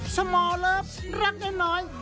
เสมอเลิฟรักน้อย